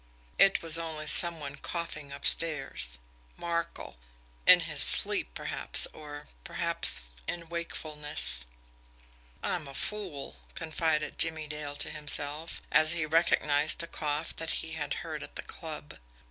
It was only some one coughing upstairs Markel in his sleep, perhaps, or, perhaps in wakefulness. "I'm a fool!" confided Jimmie Dale to himself, as he recognised the cough that he had heard at the club.